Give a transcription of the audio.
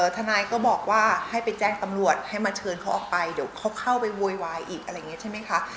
ทนายก็บอกว่าให้ไปแจ้งตำรวจให้มาเชิญเขาออกไปเดี๋ยวเขาเข้าไปโวยวายอีกอะไรอย่างนี้ใช่ไหมคะ